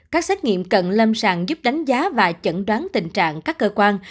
các xét nghiệm cận lâm sàng giúp đánh giá và chẩn đoán tình trạng các cơ quan